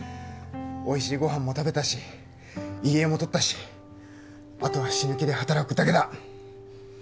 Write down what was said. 美味しいご飯も食べたし遺影も撮ったしあとは死ぬ気で働くだけだ。